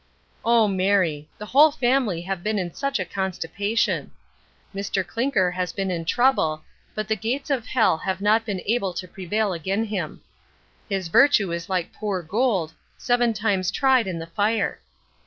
O Mary! the whole family have been in such a constipation! Mr Clinker has been in trouble, but the gates of hell have not been able to prevail again him. His virtue is like poor gould, seven times tried in the fire.